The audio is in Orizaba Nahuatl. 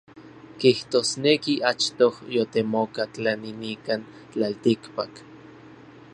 Kijtosneki achtoj yotemoka tlani nikan tlaltikpak.